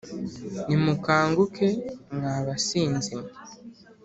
Nimukanguke mwa basinzi mwe